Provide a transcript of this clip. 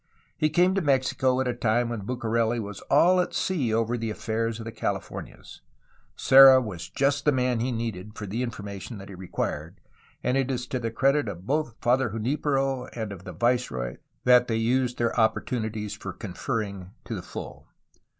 He came to Mexico at a time when Bucareli was all at sea over the affairs of the Cahfornias. Serra was just the man he needed for the information that he required, and it is to the credit both of Father Junipero and of the viceroy that they used their opportunities for conferring, to the full.